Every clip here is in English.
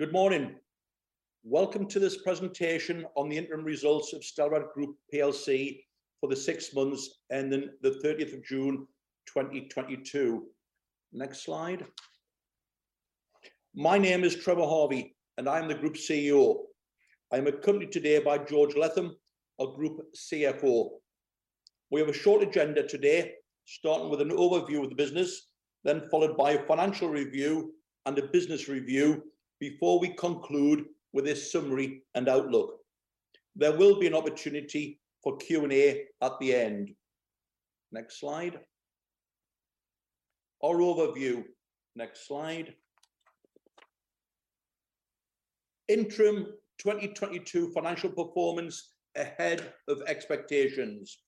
Good morning. Welcome to this presentation on the interim results of Stelrad Group plc for the six months ending the thirtieth of June 2022. Next slide. My name is Trevor Harvey, and I'm the Group CEO. I am accompanied today by George Letham, our Group CFO. We have a short agenda today, starting with an overview of the business, then followed by a financial review and a business review before we conclude with a summary and outlook. There will be an opportunity for Q&A at the end. Next slide. Our overview. Next slide. Interim 2022 financial performance ahead of expectations.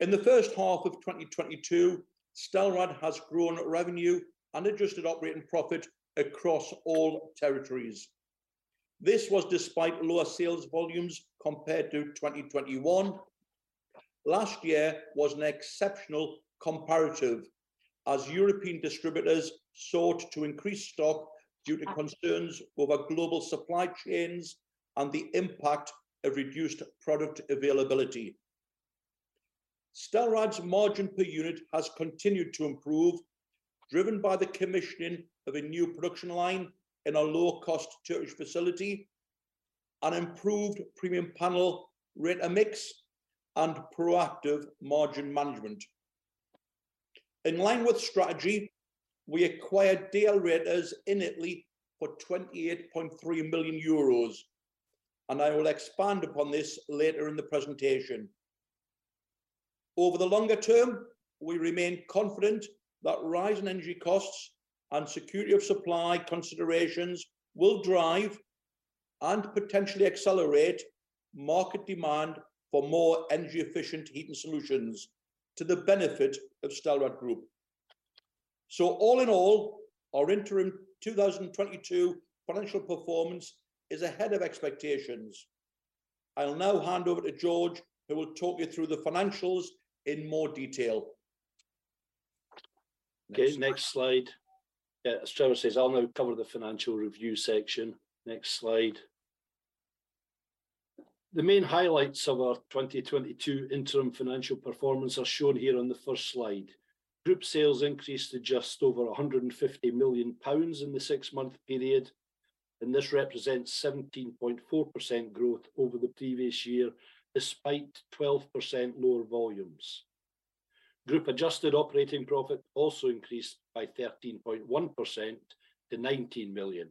In the first half of 2022, Stelrad has grown revenue and adjusted operating profit across all territories. This was despite lower sales volumes compared to 2021. Last year was an exceptional comparative as European distributors sought to increase stock due to concerns over global supply chains and the impact of reduced product availability. Stelrad’s margin per unit has continued to improve, driven by the commissioning of a new production line in our low-cost Turkish facility, an improved premium panel rate of mix and proactive margin management. In line with strategy, we acquired DL Radiators in Italy for 28.3 million euros, and I will expand upon this later in the presentation. Over the longer- term, we remain confident that rising energy costs and security of supply considerations will drive and potentially accelerate market demand for more energy efficient heating solutions to the benefit of Stelrad Group. All in all, our interim 2022 financial performance is ahead of expectations. I'll now hand over to George, who will talk you through the financials in more detail. Next slide. Okay. As Trevor says, I’ll now cover the financial review section. Next slide. The main highlights of our 2022 interim financial performance are shown here on the first slide. Group sales increased to just over 150 million pounds in the six-month period, and this represents 17.4% growth over the previous year, despite 12% lower volumes. Group adjusted operating profit also increased by 13.1% to 19 million.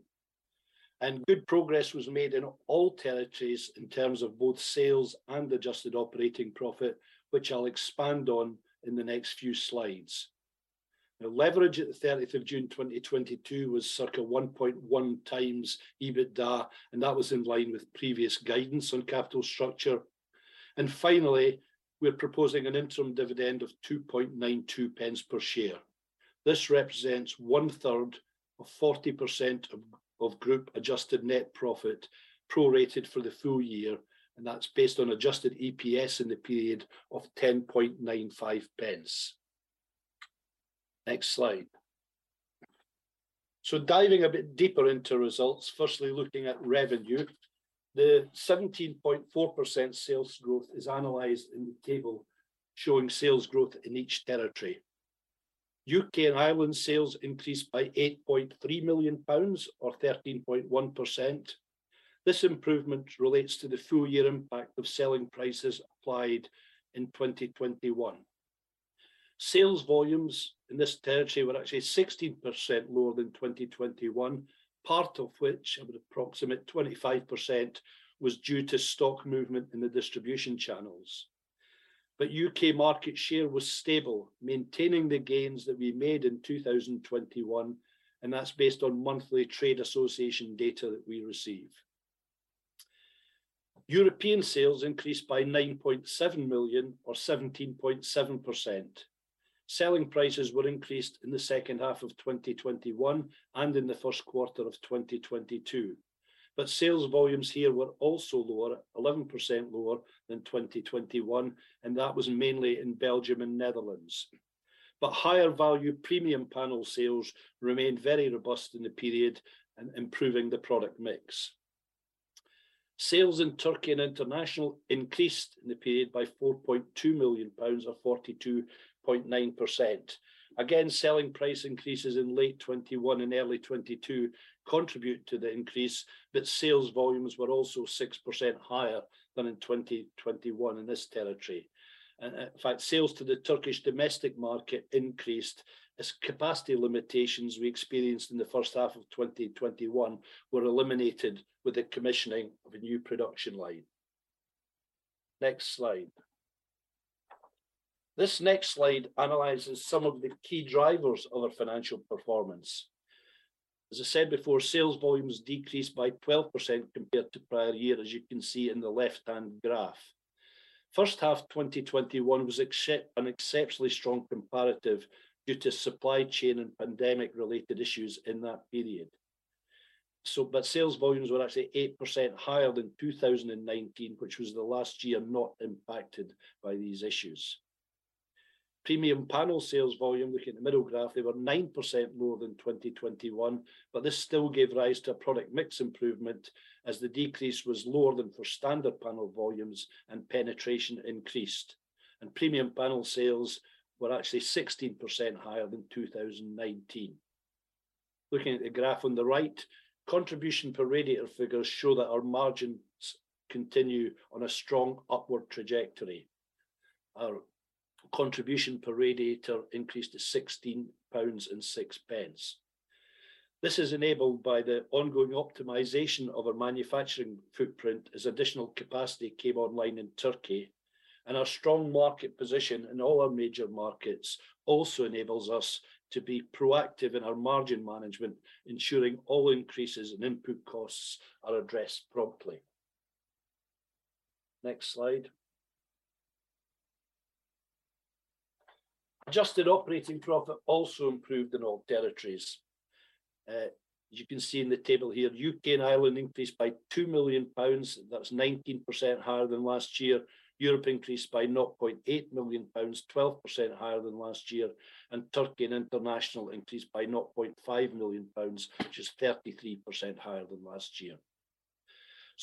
Good progress was made in all territories in terms of both sales and adjusted operating profit, which I’ll expand on in the next few slides. Now, leverage at June 30, 2022 was circa 1.1x EBITDA, and that was in line with previous guidance on capital structure. Finally, we are proposing an interim dividend of 2.92 pence per share. This represents 1/3 of 40% of group adjusted net profit prorated for the full -year, and that's based on adjusted EPS in the period of 10.95 pence. Next slide. Diving a bit deeper into results, firstly, looking at revenue. The 17.4% sales growth is analyzed in the table showing sales growth in each territory. UK and Ireland sales increased by 8.3 million pounds or 13.1%. This improvement relates to the full- year impact of selling prices applied in 2021. Sales volumes in this territory were actually 16% lower than 2021, part of which, at approximately 25%, was due to stock movement in the distribution channels. UK market share was stable, maintaining the gains that we made in 2021, and that's based on monthly trade association data that we receive. European sales increased by 9.7 million or 17.7%. Selling prices were increased in the second half of 2021 and in the first quarter of 2022. Sales volumes here were also lower, 11% lower than 2021, and that was mainly in Belgium and Netherlands. Higher value premium panel sales remained very robust in the period, improving the product mix. Sales in Turkey and international increased in the period by 4.2 million pounds or 42.9%. Again, selling price increases in late 2021 and early 2022 contribute to the increase, but sales volumes were also 6% higher than in 2021 in this territory. In fact, sales to the Turkish domestic market increased as capacity limitations we experienced in the first half of 2021 were eliminated with the commissioning of a new production line. Next slide. This next slide analyzes some of the key drivers of our financial performance. As I said before, sales volumes decreased by 12% compared to prior year, as you can see in the left-hand graph. First half 2021 was an exceptionally strong comparative due to supply chain and pandemic-related issues in that period. Sales volumes were actually 8% higher than 2019, which was the last year not impacted by these issues. Premium panel sales volume, looking at the middle graph, they were 9% more than 2021, but this still gave rise to a product mix improvement as the decrease was lower than for standard panel volumes and penetration increased. Premium panel sales were actually 16% higher than 2019. Looking at the graph on the right, contribution per radiator figures show that our margins continue on a strong upward trajectory. Our contribution per radiator increased to 16.06 pounds. This is enabled by the ongoing optimization of our manufacturing footprint as additional capacity came online in Turkey. Our strong market position in all our major markets also enables us to be proactive in our margin management, ensuring all increases in input costs are addressed promptly. Next slide. Adjusted operating profit also improved in all territories. As you can see in the table here, UK and Ireland increased by 2 million pounds, that's 19% higher than last year. Europe increased by 0.8 million pounds, 12% higher than last year. Turkey and International increased by 0.5 million pounds, which is 33% higher than last year.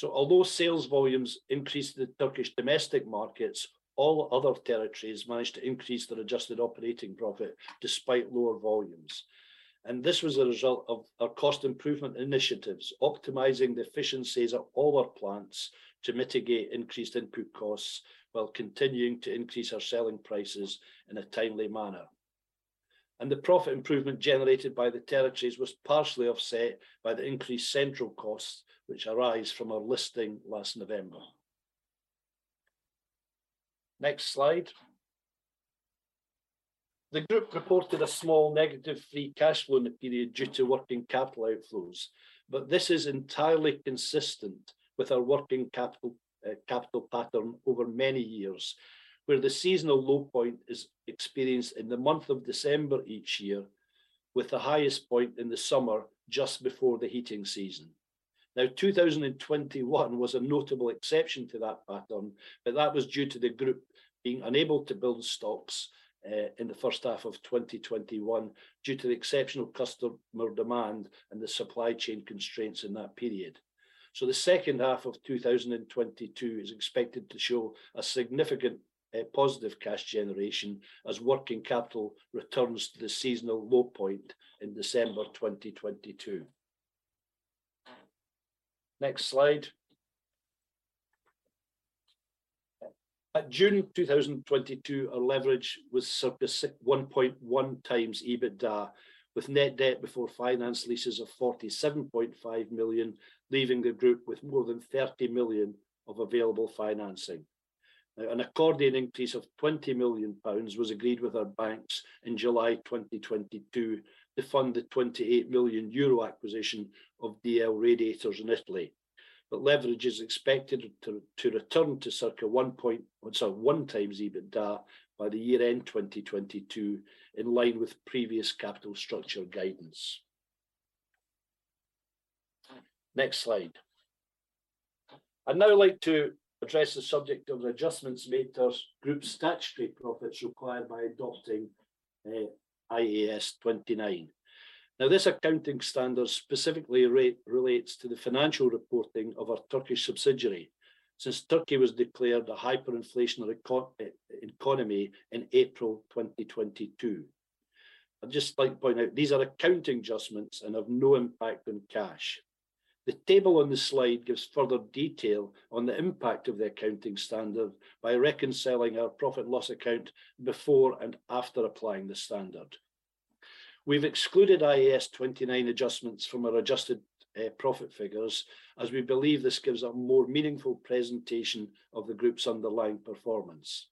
Although sales volumes increased in the Turkish domestic markets, all other territories managed to increase their adjusted operating profit despite lower volumes. This was a result of our cost improvement initiatives, optimizing the efficiencies at all our plants to mitigate increased input costs while continuing to increase our selling prices in a timely manner. The profit improvement generated by the territories was partially offset by the increased central costs which arise from our listing last November. Next slide. The group reported a small negative free cash flow in the period due to working capital outflows, but this is entirely consistent with our working capital pattern over many years, where the seasonal low point is experienced in the month of December each year, with the highest point in the summer just before the heating season. 2021 was a notable exception to that pattern, but that was due to the group being unable to build stocks in the first half of 2021 due to the exceptional customer demand and the supply chain constraints in that period. The second half of 2022 is expected to show a significant positive cash generation as working capital returns to the seasonal low point in December 2022. Next slide. At June 2022, our leverage was circa 1.1 times EBITDA, with net debt before finance leases of 47.5 million, leaving the group with more than 30 million of available financing. An accordion increase of 20 million pounds was agreed with our banks in July 2022 to fund the 28 million euro acquisition of DL Radiators in Italy. Leverage is expected to return to circa one times EBITDA by the year-end 2022, in line with previous capital structure guidance. Next slide. I'd now like to address the subject of the adjustments made to our group statutory profits required by adopting IAS 29. Now, this accounting standard specifically relates to the financial reporting of our Turkish subsidiary, since Turkey was declared a hyperinflationary economy in April 2022. I'd just like to point out, these are accounting adjustments and have no impact on cash. The table on the slide gives further detail on the impact of the accounting standard by reconciling our profit loss account before and after applying the standard. We've excluded IAS 29 adjustments from our adjusted profit figures, as we believe this gives a more meaningful presentation of the group's underlying performance.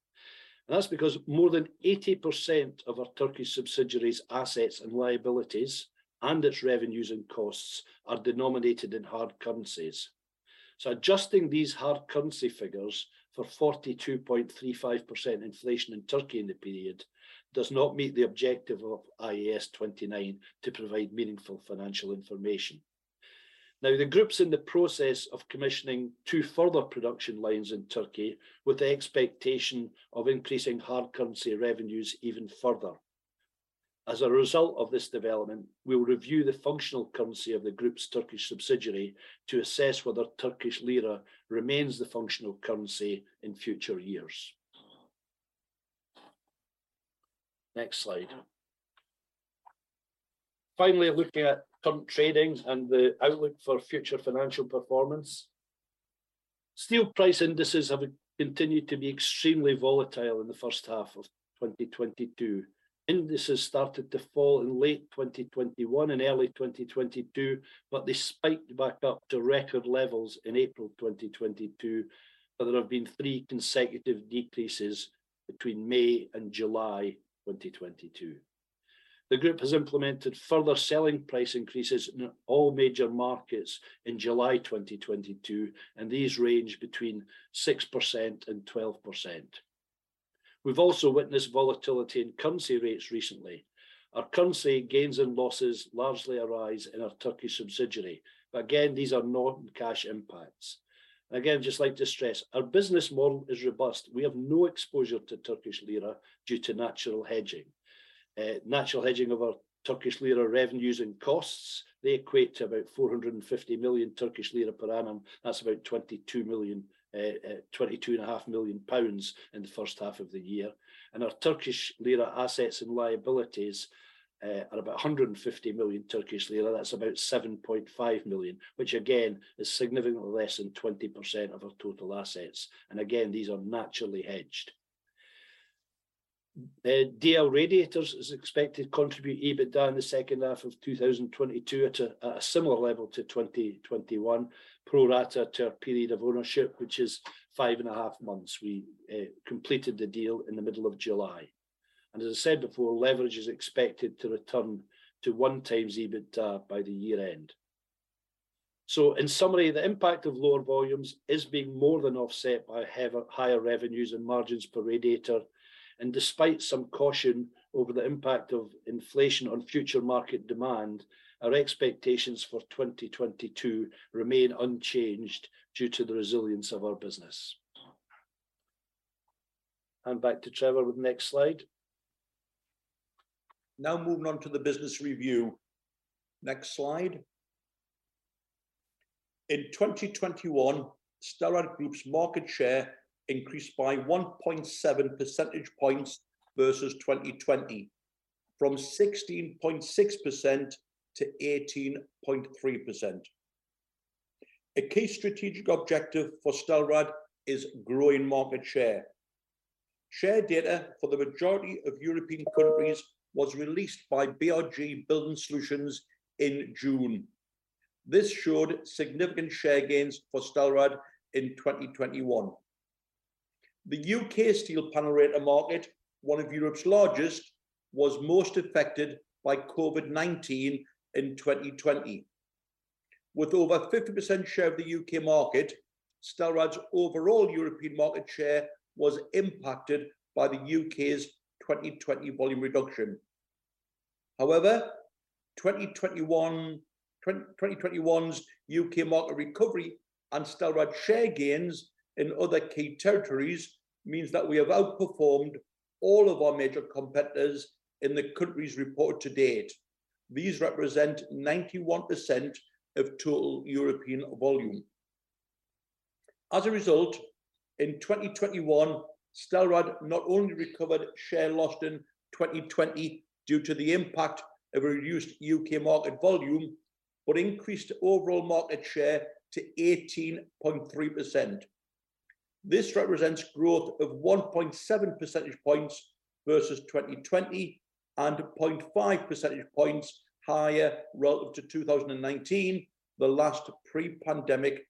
That's because more than 80% of our Turkey subsidiary's assets and liabilities and its revenues and costs are denominated in hard currencies. Adjusting these hard currency figures for 42.35% inflation in Turkey in the period does not meet the objective of IAS 29 to provide meaningful financial information. Now, the group's in the process of commissioning two further production lines in Turkey, with the expectation of increasing hard currency revenues even further. As a result of this development, we will review the functional currency of the group's Turkish subsidiary to assess whether Turkish lira remains the functional currency in future years. Next slide. Finally, looking at current tradings and the outlook for future financial performance. Steel price indices have continued to be extremely volatile in the first half of 2022. Indices started to fall in late 2021 and early 2022, but they spiked back up to record levels in April 2022, but there have been 3 consecutive decreases between May and July 2022. The group has implemented further selling price increases in all major markets in July 2022, and these range between 6% and 12%. We've also witnessed volatility in currency rates recently. Our currency gains and losses largely arise in our Turkish subsidiary. Again, these are not cash impacts. Again, just like to stress, our business model is robust. We have no exposure to Turkish lira due to natural hedging. Natural hedging of our Turkish lira revenues and costs, they equate to about 450 million Turkish lira per annum. That's about 22 million, 22.5 million pounds in the first half of the year. Our Turkish lira assets and liabilities are about 150 million Turkish lira, that's about 7.5 million, which again, is significantly less than 20% of our total assets. These are naturally hedged. DL Radiators is expected to contribute EBITDA in the second half of 2022 at a similar level to 2021, pro rata to our period of ownership, which is five and a half months. We completed the deal in the middle of July. As I said before, leverage is expected to return to 1x EBITDA by the year-end. In summary, the impact of lower volumes is being more than offset by higher revenues and margins per radiator. Despite some caution over the impact of inflation on future market demand, our expectations for 2022 remain unchanged due to the resilience of our business. Hand back to Trevor with the next slide. Now moving on to the business review. Next slide. In 2021, Stelrad Group's market share increased by 1.7 percentage points versus 2020, from 16.6% to 18.3%. A key strategic objective for Stelrad is growing market share. Share data for the majority of European countries was released by BRG Building Solutions in June. This showed significant share gains for Stelrad in 2021. The UK steel panel radiator market, one of Europe's largest, was most affected by COVID-19 in 2020. With over 50% share of the UK market, Stelrad's overall European market share was impacted by the UK's 2020 volume reduction. However, 2021's UK market recovery and Stelrad share gains in other key territories means that we have outperformed all of our major competitors in the countries reported to date. These represent 91% of total European volume. As a result, in 2021, Stelrad not only recovered share lost in 2020 due to the impact of a reduced UK market volume, but increased overall market share to 18.3%. This represents growth of 1.7 percentage points versus 2020 and 0.5 percentage points higher relative to 2019, the last pre-pandemic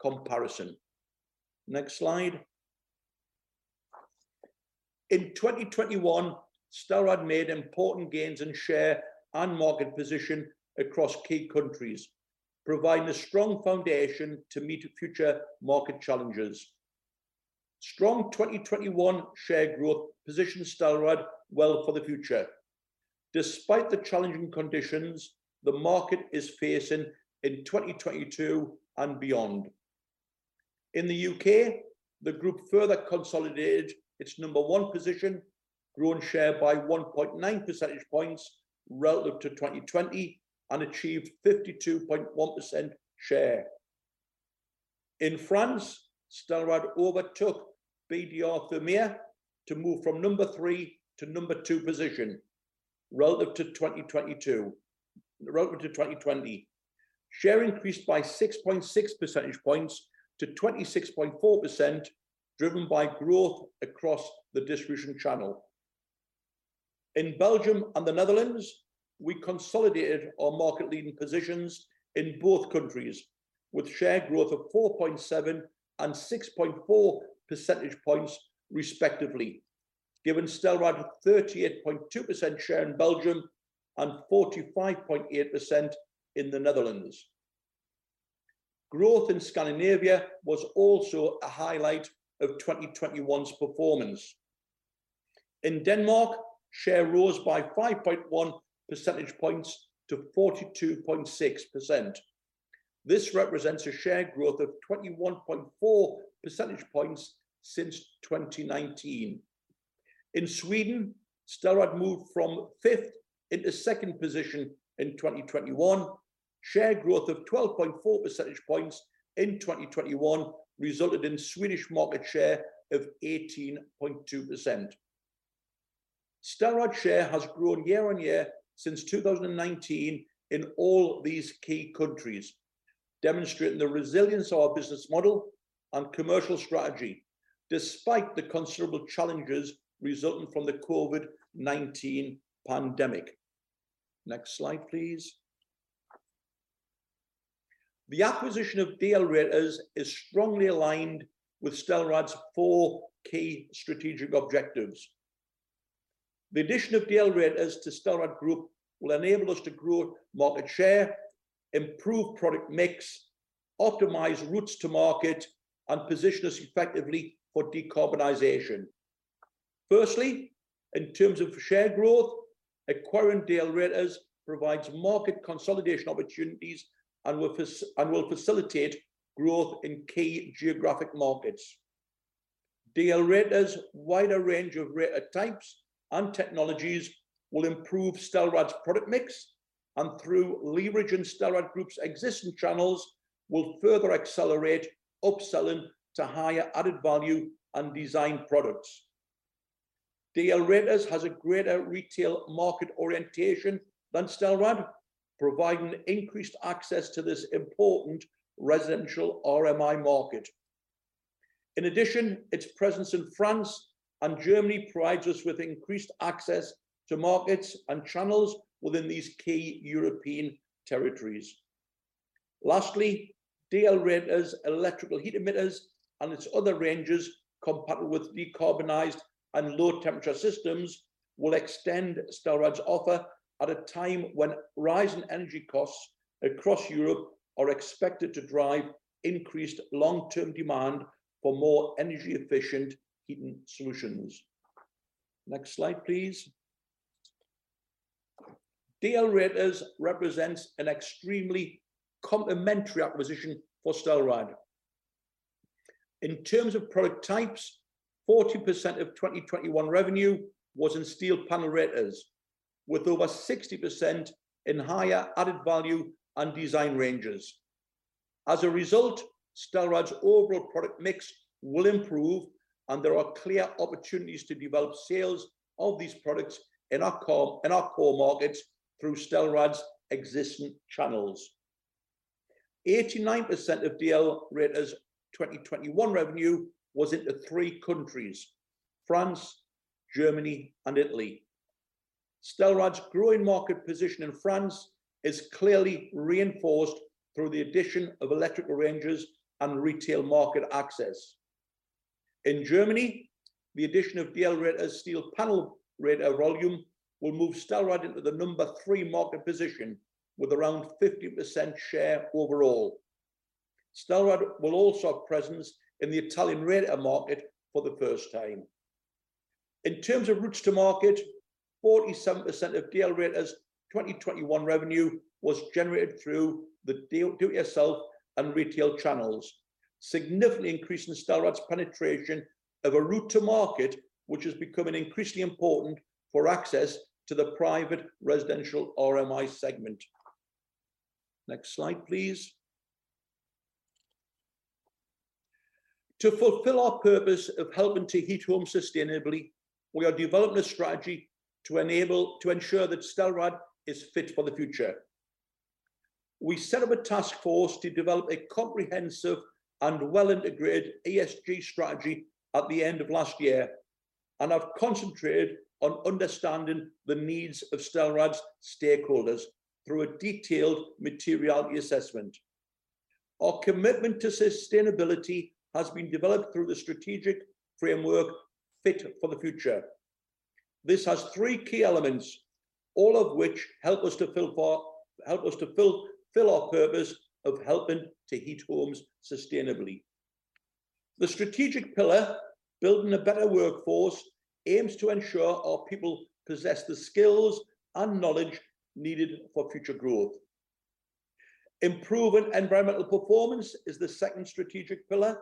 comparison. Next slide. In 2021, Stelrad made important gains in share and market position across key countries, providing a strong foundation to meet future market challenges. Strong 2021 share growth positions Stelrad well for the future, despite the challenging conditions the market is facing in 2022 and beyond. In the UK, the group further consolidated its number one position, growing share by 1.9 percentage points relative to 2020 and achieved 52.1% share. In France, Stelrad overtook BDR Thermea to move from number three to number two position relative to 2020. Share increased by 6.6 percentage points to 26.4%, driven by growth across the distribution channel. In Belgium and the Netherlands, we consolidated our market-leading positions in both countries with share growth of 4.7 and 6.4 percentage points respectively, giving Stelrad a 38.2% share in Belgium and 45.8% in the Netherlands. Growth in Scandinavia was also a highlight of 2021's performance. In Denmark, share rose by 5.1 percentage points to 42.6%. This represents a share growth of 21.4 percentage points since 2019. In Sweden, Stelrad moved from fifth into second position in 2021. Share growth of 12.4 percentage points in 2021 resulted in Swedish market share of 18.2%. Stelrad share has grown year-on-year since 2019 in all these key countries, demonstrating the resilience of our business model and commercial strategy despite the considerable challenges resulting from the COVID-19 pandemic. Next slide, please. The acquisition of DL Radiators is strongly aligned with Stelrad's four key strategic objectives. The addition of DL Radiators to Stelrad Group will enable us to grow market share, improve product mix, optimize routes to market, and position us effectively for decarbonization. Firstly, in terms of share growth, acquiring DL Radiators provides market consolidation opportunities and will facilitate growth in key geographic markets. DL Radiators’ wider range of radiator types and technologies will improve Stelrad’s product mix, and through leverage in Stelrad Group’s existing channels will further accelerate upselling to higher added value and design products. DL Radiators has a greater retail market orientation than Stelrad, providing increased access to this important residential RMI market. In addition, its presence in France and Germany provides us with increased access to markets and channels within these key European territories. Lastly, DL Radiators electrical heat emitters and its other ranges compatible with decarbonized and low-temperature systems will extend Stelrad’s offer at a time when rising energy costs across Europe are expected to drive increased long-term demand for more energy-efficient heating solutions. Next slide, please. DL Radiators represents an extremely complementary acquisition for Stelrad. In terms of product types, 40% of 2021 revenue was in steel panel radiators, with over 60% in higher added value and design ranges. As a result, Stelrad’s overall product mix will improve, and there are clear opportunities to develop sales of these products in our core markets through Stelrad’s existing channels. 89% of DL Radiators’ 2021 revenue was in the three countries France, Germany, and Italy. Stelrad’s growing market position in France is clearly reinforced through the addition of electrical ranges and retail market access. In Germany, the addition of DL Radiators steel panel radiator volume will move Stelrad into the number three market position with around 50% share overall. Stelrad will also have presence in the Italian radiator market for the first time. In terms of routes to market, 47% of DL Radiators’ 2021 revenue was generated through the do-it-yourself and retail channels, significantly increasing Stelrad’s penetration of a route to market which is becoming increasingly important for access to the private residential RMI segment. Next slide, please. To fulfill our purpose of helping to heat homes sustainably, we are developing a strategy to ensure that Stelrad is fit for the future. We set up a task force to develop a comprehensive and well-integrated ESG strategy at the end of last year, and I've concentrated on understanding the needs of Stelrad’s stakeholders through a detailed materiality assessment. Our commitment to sustainability has been developed through the strategic framework Fit for the Future. This has three key elements, all of which help us to fulfill our purpose of helping to heat homes sustainably. The strategic pillar Enabling an exceptional workforce aims to ensure our people possess the skills and knowledge needed for future growth. Driving better environmental performance is the second strategic pillar,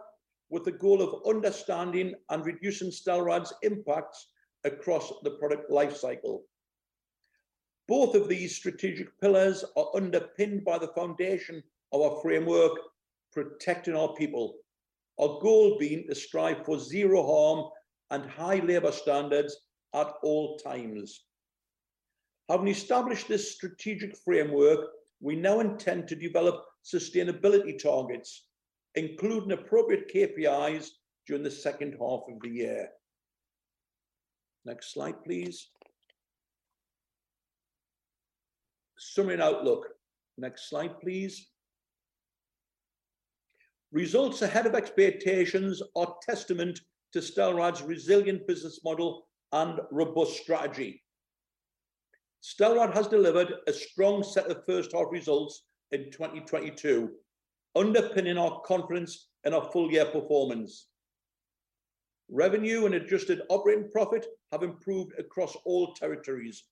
with the goal of understanding and reducing Stelrad’s impacts across the product lifecycle. Both of these strategic pillars are underpinned by the foundation of our framework, Conducting business responsibly. Our goal being to strive for zero harm and high labor standards at all times. Having established this strategic framework, we now intend to develop sustainability targets, including appropriate KPIs during the second half of the year. Next slide, please. Summary and outlook. Next slide, please. Results ahead of expectations are testament to Stelrad’s resilient business model and robust strategy. Stelrad has delivered a strong set of first half results in 2022, underpinning our confidence in our full- year performance. Revenue and adjusted operating profit have improved across all territories,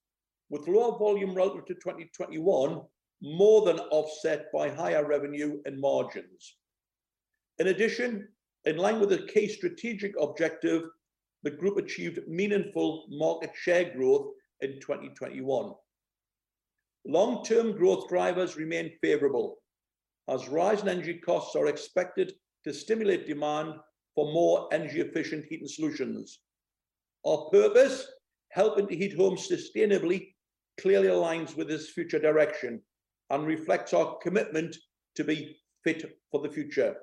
with lower volume relative to 2021 more than offset by higher revenue and margins. In addition, in line with a key strategic objective, the group achieved meaningful market share growth in 2021. Long-term growth drivers remain favorable as rising energy costs are expected to stimulate demand for more energy-efficient heating solutions. Our purpose, helping to heat homes sustainably, clearly aligns with this future direction and reflects our commitment to be Fit for the Future.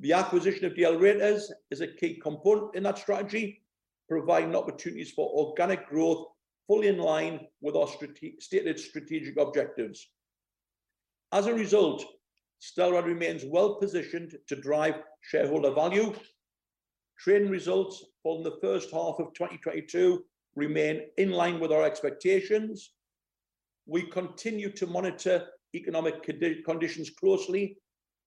The acquisition of DL Radiators is a key component in that strategy, providing opportunities for organic growth fully in line with our stated strategic objectives. As a result, Stelrad remains well positioned to drive shareholder value. Trading results for the first half of 2022 remain in line with our expectations. We continue to monitor economic conditions closely,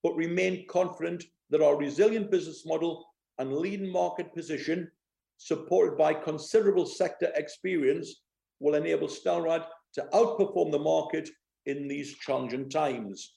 but remain confident that our resilient business model and leading market position, supported by considerable sector experience, will enable Stelrad to outperform the market in these challenging times.